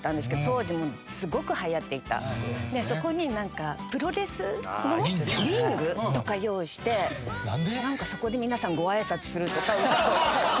「そこにプロレスのリングとか用意して何かそこで皆さんご挨拶するとか歌を歌うとか」